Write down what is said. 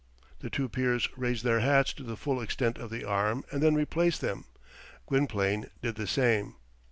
The two peers raised their hats to the full extent of the arm, and then replaced them. Gwynplaine did the same.